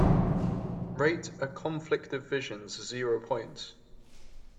Rate A Conflict of Visions zero points